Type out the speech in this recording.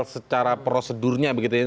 secara prosedurnya begitu